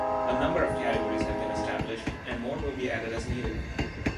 A number of categories have been established and more will be added as needed.